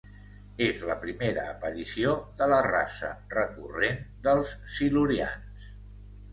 És la primera aparició de la raça recurrent dels Silurians.